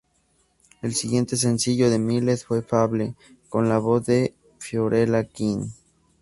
El siguiente sencillo de Miles fue "Fable", con la voz de Fiorella Quinn.